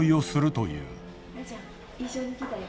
いおちゃん一緒に来たよ